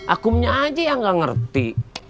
akumnya aja yang gak ngerti